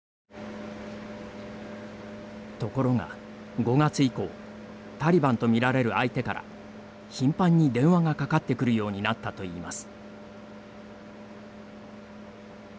ところが、５月以降タリバンとみられる相手から頻繁に電話がかかってくるようになったといいます。